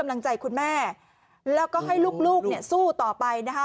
กำลังใจคุณแม่แล้วก็ให้ลูกเนี่ยสู้ต่อไปนะคะ